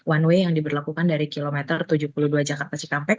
one way yang diberlakukan dari kilometer tujuh puluh dua jakarta cikampek